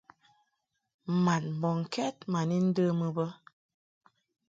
Mad mbɔŋkɛd ma ni ndəmɨ bə.